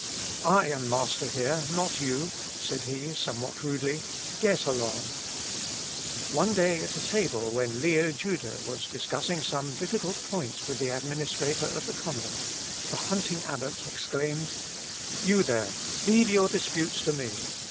"I am master here, not you," said he, somewhat rudely; "get along." One day at table when Leo Juda was discussing some difficult point with the administrator of the convent, the hunting abbot exclaimed, "You, there, leave your disputes to me.